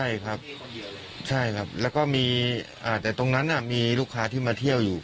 ใช่ครับใช่ครับแล้วก็มีอ่าแต่ตรงนั้นมีลูกค้าที่มาเที่ยวอยู่